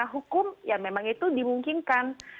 hukum ya memang itu dimungkinkan